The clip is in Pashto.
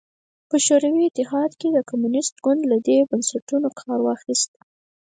په شوروي اتحاد کې کمونېست ګوند له دې بنسټونو کار واخیست